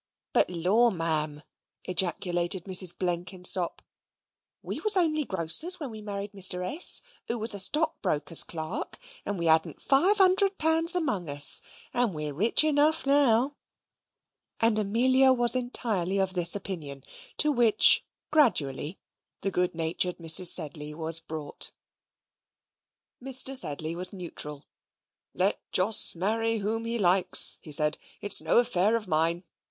"But, lor', Ma'am," ejaculated Mrs. Blenkinsop, "we was only grocers when we married Mr. S., who was a stock broker's clerk, and we hadn't five hundred pounds among us, and we're rich enough now." And Amelia was entirely of this opinion, to which, gradually, the good natured Mrs. Sedley was brought. Mr. Sedley was neutral. "Let Jos marry whom he likes," he said; "it's no affair of mine.